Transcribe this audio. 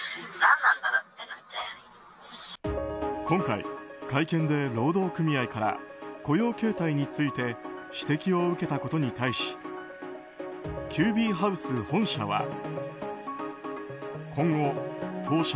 今回会見で労働組合から雇用形態について指摘を受けたことに対しＱＢＨＯＵＳＥ本社は。